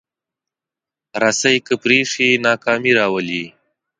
رسۍ که پرې شي، ناکامي راولي.